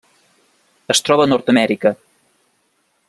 Es troba a Nord-amèrica: